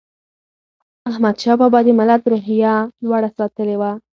احمدشاه بابا د ملت روحیه لوړه ساتلې وه.